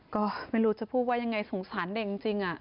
ก็ไม่รู้จะพูดว่ายังไงสงสารเด็กจริง